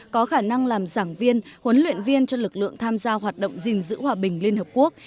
có khả năng làm giảng viên huấn luyện viên cho lực lượng tham gia hoạt động gìn giữ hòa bình liên hợp quốc